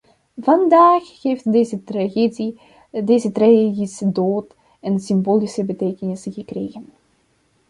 Vandaag heeft deze tragedie, deze tragische dood, een symbolische betekenis gekregen.